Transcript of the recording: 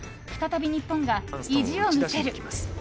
再び日本が意地を見せる。